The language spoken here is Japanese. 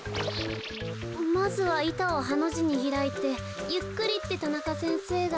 まずはいたをハのじにひらいてゆっくりって田中先生が。